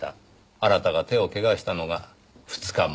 あなたが手を怪我したのが２日前。